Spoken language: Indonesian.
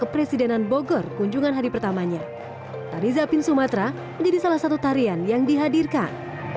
presidenan bogor kunjungan hari pertamanya dari zapin sumatera jadi salah satu tarian yang dihadirkan